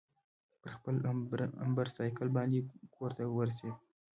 پر خپل امبرسایکل باندې کورته ورسېد.